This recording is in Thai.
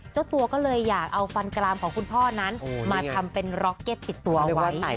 เจ้าตัวก็เลยอยากเอาฟันกลามของคุณพ่อนั้นมาทำเป็นร็อกเก็ตติดตัวเอาไว้